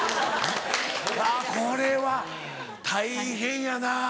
あぁこれは大変やな。